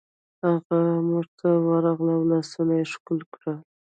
هغه مور ته ورغله او لاسونه یې ښکل کړل